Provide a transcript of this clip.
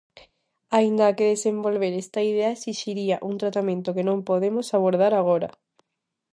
Aínda que desenvolver esta idea esixiría un tratamento que non podemos abordar agora.